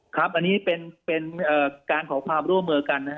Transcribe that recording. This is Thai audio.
ครับอันนี้เป็นการขอความร่วมมือกันนะครับ